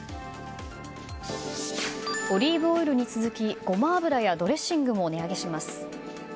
オリーブオイルに続きごま油やドレッシングも値上げします。